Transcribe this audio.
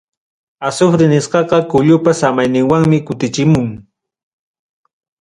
Azufre nisqaqa kullupa samayninwanmi kutichimun.